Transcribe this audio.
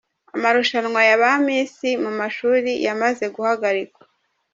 Amarushanwa ya ba Miss mu mashuri yamaze guhagarikwa.